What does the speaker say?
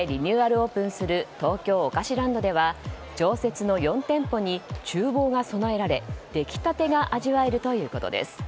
オープンする東京おかしランドでは常設の４店舗に厨房が備えられ出来たてが味わえるということです。